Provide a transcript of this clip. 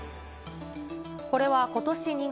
これは、ことし２月。